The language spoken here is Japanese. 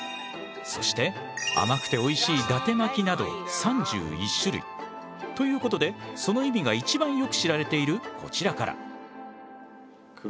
そして甘くておいしいだて巻きなど３１種類。ということでその意味が一番よく知られているこちらから。